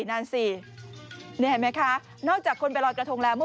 นี่เห็นไหมคะนอกจากคนไปลอยกระทงแล้ว